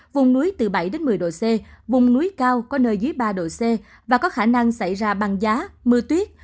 vùng núi từ bảy một mươi độ c vùng núi cao có nơi dưới ba độ c và có khả năng xảy ra băng giá mưa tuyết